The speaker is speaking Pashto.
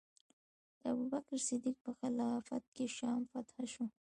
د ابوبکر صدیق په خلافت کې شام فتح شو.